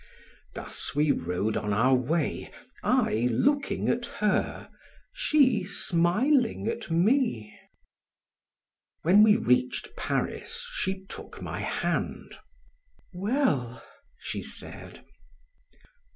Thus we rode on our way, I looking at her; she smiling at me. When we reached Paris she took my hand: "Well?" she said.